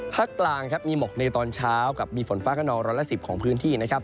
ภาคกลางครับมีหมอกในตอนเช้ากับมีฝนฟ้าก็นอนร้อนละ๑๐องศาเซียตของพื้นที่นะครับ